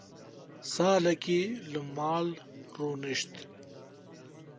Salekê li mal rûnişt.